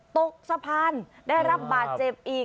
ตกสะพานได้รับบาดเจ็บอีก